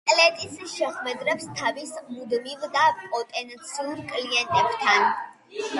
კლეტის შეხვედრებს თავის მუდმივ და პოტენციურ კლიენტებთან.